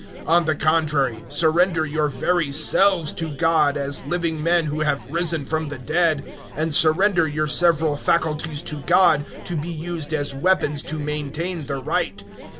On the contrary surrender your very selves to God as living men who have risen from the dead, and surrender your several faculties to God, to be used as weapons to maintain the right.